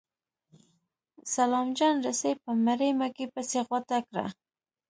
سلام جان رسۍ په مړې مږې پسې غوټه کړه.